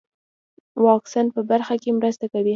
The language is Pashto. واکسین په برخه کې مرسته کوي.